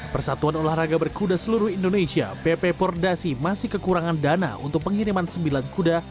persatuan olahraga berkuda seluruh indonesia pp pordasi masih kekurangan dana untuk pengiriman sembilan kuda